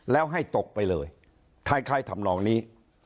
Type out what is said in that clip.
แล้วให้ตกไปเลยคล้ายทำนองนี้